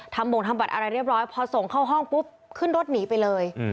หมงทำบัตรอะไรเรียบร้อยพอส่งเข้าห้องปุ๊บขึ้นรถหนีไปเลย